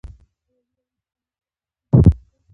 ازادي راډیو د د کانونو استخراج ستونزې راپور کړي.